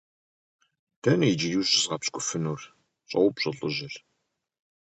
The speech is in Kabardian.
- Дэнэ иджыри ущызгъэпщкӀуфынур? - щӀоупщӀэ лӏыжьыр.